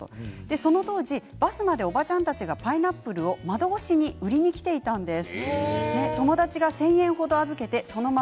その当時バスまでおばちゃんたちがパイナップルを窓越しに売りに来ていたんです。